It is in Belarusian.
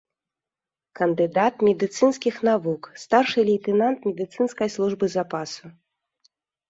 Кандыдат медыцынскіх навук, старшы лейтэнант медыцынскай службы запасу.